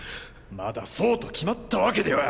まだそうと決まったわけでは。